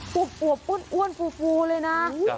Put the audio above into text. ปวบปวบอ้วนอ้วนฟูเลยนะ